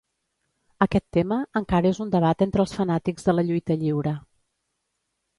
Aquest tema encara és un debat entre els fanàtics de la lluita lliure.